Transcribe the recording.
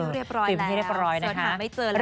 ปิดไปตรงที่เรียบร้อยแล้วส่วนถามให้เจอแล้วตอนนี้